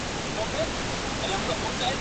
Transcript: چي د زړو کرکو ، ناوړه تګلارو